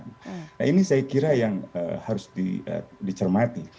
nah ini saya kira yang harus dicermati